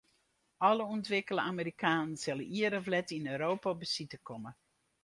Alle ûntwikkele Amerikanen sille ier of let yn Europa op besite komme.